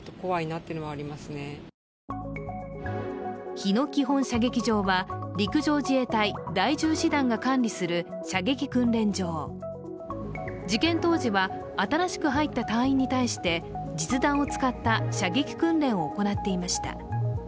日野基本射撃場は、陸上自衛隊第１０師団が管理する射撃訓練場事件当時は新しく入った隊員に対して実弾を使った射撃訓練を行っていました。